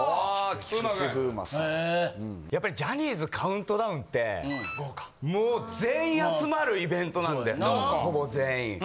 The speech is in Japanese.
やっぱりジャニーズカウントダウンって、もう、全員集まるイベントなんで、ほぼ全員。